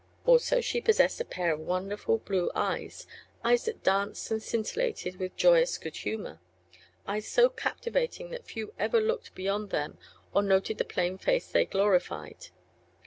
Also she possessed a pair of wonderful blue eyes eyes that danced and scintillated with joyous good humor eyes so captivating that few ever looked beyond them or noted the plain face they glorified.